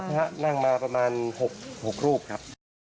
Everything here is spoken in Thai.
พระนั่งมาประมาณ๖รูปครับ